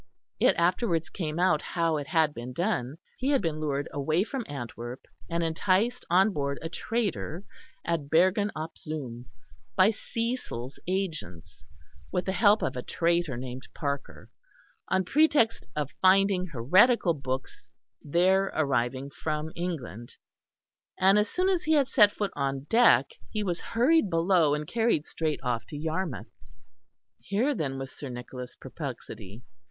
It afterwards came out how it had been done. He had been lured away from Antwerp and enticed on board a trader at Bergen op Zoom, by Cecil's agents with the help of a traitor named Parker, on pretext of finding heretical books there arriving from England; and as soon as he had set foot on deck he was hurried below and carried straight off to Yarmouth. Here then was Sir Nicholas' perplexity.